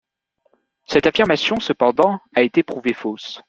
Cette affirmation, cependant, a été prouvée fausse.